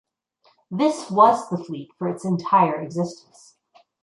This was the fleet for its entire existence.